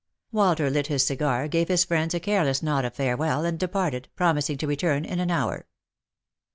Walter lit his cigar, gave his friends a careless nod of farewell, and departed, promising to return in an hour.